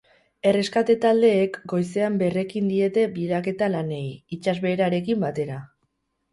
Erreskate taldeek goizean berrekin diete bilaketa lanei, itsasbeherarekin batera.